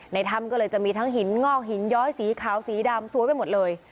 ถ้ำก็เลยจะมีทั้งหินงอกหินย้อยสีขาวสีดำสวยไปหมดเลย